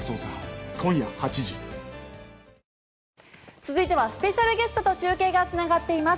続いてはスペシャルゲストと中継がつながっています。